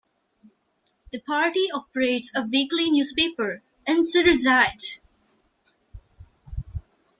The party operates a weekly newspaper, "unsere Zeit".